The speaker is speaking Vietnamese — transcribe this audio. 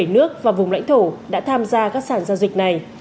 bảy nước và vùng lãnh thổ đã tham gia các sản giao dịch này